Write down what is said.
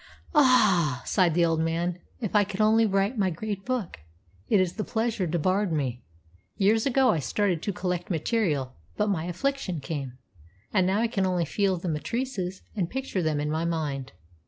"Ah!" sighed the old man, "if I could only write my great book! It is the pleasure debarred me. Years ago I started to collect material; but my affliction came, and now I can only feel the matrices and picture them in my mind.